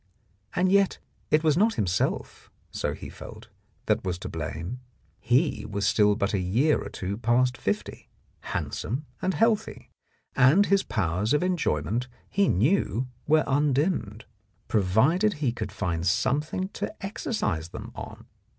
And yet it was not himself, so he felt, that was to blame. He was still but a year or two past fifty, handsome and healthy, and his powers of enjoyment he knew were undimmed, pro vided only he could find something to exercise them on.